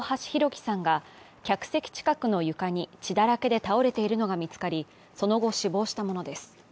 輝さんが客席近くの床に血だらけで倒れているのが見つかり、その後、死亡したものです。